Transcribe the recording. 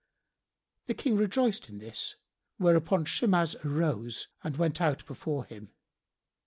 The King rejoiced in this, whereupon Shimas arose and went out from before him.